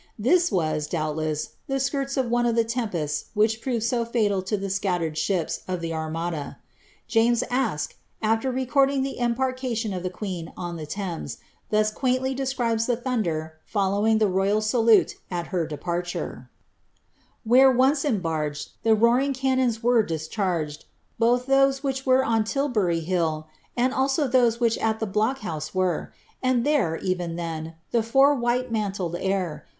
This was, doubtless, the skirts of one of the tempests which proved so fatal to the scattered ships of the Ar mada. James Aske, aAer recording the embarkation of the queen on the Thames, thus quaintly describes the tliunder following the royal salute tt her departure :—Where, once im barged, the roaring cannons were Discharged, both those which were on Tilbury Hill, And also those which at the Block House were, And there, even then, the fore white mantled air.